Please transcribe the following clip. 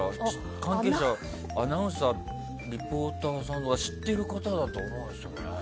アナウンサーリポーターさんが知っている方だと思うんですよね。